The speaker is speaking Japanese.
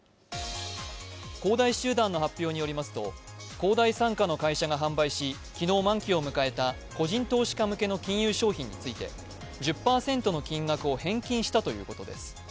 恒大集団の発表によりますと、恒大参加の会社が販売し昨日満期を迎えた個人投資家向けの金融商品について１０％の金額を返金したということです。